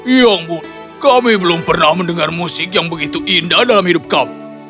yongu kami belum pernah mendengar musik yang begitu indah dalam hidup kamu